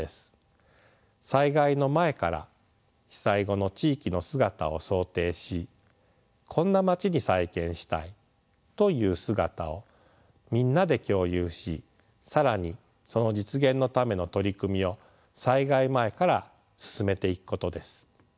災害の前から被災後の地域の姿を想定しこんなまちに再建したいという姿をみんなで共有し更にその実現のための取り組みを災害前から進めていくことです。